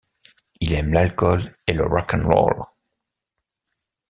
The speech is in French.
Il aime l'alcool et le Rock 'n' roll.